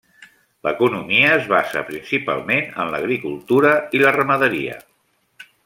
L'economia es basa principalment en l'agricultura i la ramaderia.